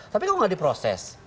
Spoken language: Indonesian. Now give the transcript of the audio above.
tapi kok nggak diproses